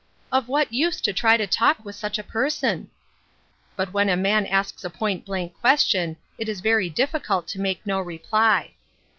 " Of what use to try to talk with such a person ?" But when a man asks a point blank question, it is very difficult to make no reply.